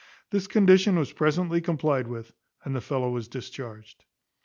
This condition was presently complied with, and the fellow was discharged.